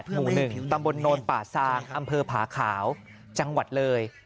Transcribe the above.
หมู่๑ตำบลโนนป่าซางอำเภอผาขาวจังหวัดเลย